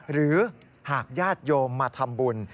หรือหากญาติโยมมาทำบุญ